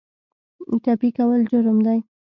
ټپي کول جرم دی.